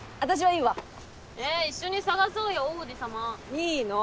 いいの。